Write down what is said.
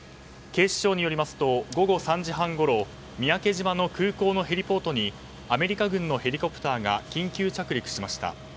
警視庁によりますと午後３時半ごろ三宅島の空港のヘリポートにアメリカ軍のヘリコプターが緊急着陸しました。